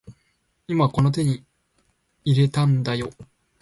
今この手に入れたんだよ